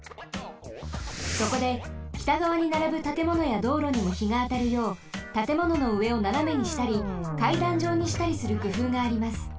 そこで北がわにならぶたてものやどうろにもひがあたるようたてもののうえをななめにしたりかいだんじょうにしたりするくふうがあります。